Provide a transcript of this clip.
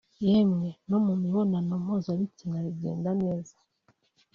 yemwe no mu mibonano mpuzabitsina bigenda neza